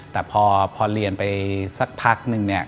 แต่พอเรียนไปสักพักนึงเนี่ย